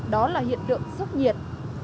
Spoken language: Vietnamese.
đó là hiện tượng sốc nhiệt